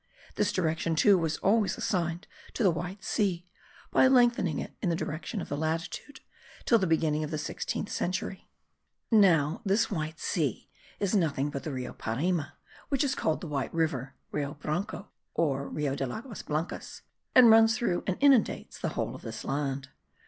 This direction, too, was always assigned to the White Sea, by lengthening it in the direction of the latitude, till the beginning of the sixteenth century. Now this White Sea is nothing but the Rio Parima, which is called the White River (Rio Branco, or Rio del Aguas blancas), and runs through and inundates the whole of this land.